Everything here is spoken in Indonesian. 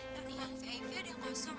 dan yang vip dia langsung